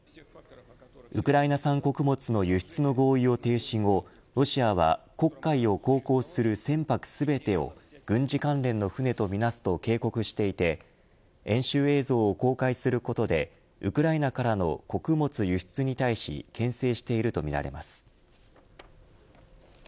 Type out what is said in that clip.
ウクライナ産穀物の輸出の合意を停止後ロシアは黒海を航行する船舶全てを軍事関連の船とみなすと警告していて演習映像を公開することでウクライナからの穀物輸出に対しけん制しているとみられます。